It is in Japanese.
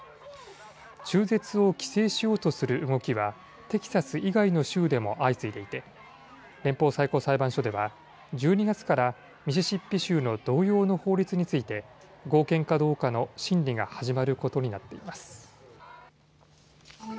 中絶を規制しようとする動きはテキサス以外の州でも相次いでいて連邦最高裁判所では１２月からミシシッピ州の同様の法律について合憲かどうかの審理が始まることになっています。